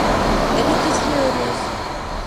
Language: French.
Elle était si heureuse!